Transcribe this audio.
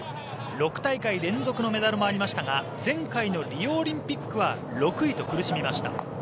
６大会連続のメダルもありましたが前回のリオオリンピックは６位と苦しみました。